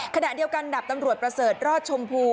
ขณะเดียวกันดับตำรวจประเสริฐรอดชมพู